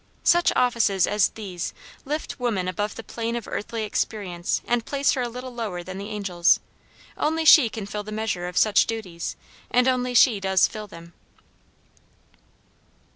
Such offices as these lift woman above the plane of earthly experience and place her a little lower than the angels. Only she can fill the measure of such duties, and only she does fill them.